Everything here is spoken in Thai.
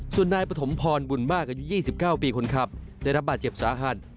ส่วนนายปฐมพรบุญมากอายุ๒๙ปีคนขับได้รับบาดเจ็บสาหัส